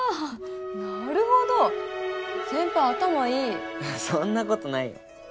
なるほど先輩頭いいそんなことないよ